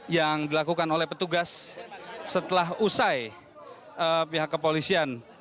yang dilakukan oleh petugas setelah usai pihak kepolisian